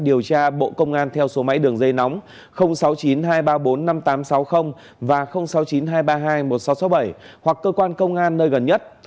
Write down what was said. điều tra bộ công an theo số máy đường dây nóng sáu mươi chín hai trăm ba mươi bốn năm nghìn tám trăm sáu mươi và sáu mươi chín hai trăm ba mươi hai một nghìn sáu trăm sáu mươi bảy hoặc cơ quan công an nơi gần nhất